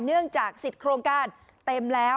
เนื่องจากสิทธิ์โครงการเต็มแล้ว